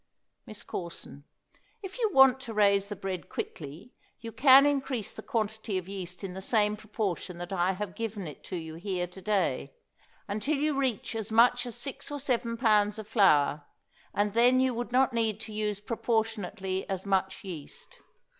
MISS CORSON. If you want to raise the bread quickly you can increase the quantity of yeast in the same proportion that I have given it you here to day, until you reach as much as six or seven pounds of flour, and then you would not need to use proportionately as much yeast.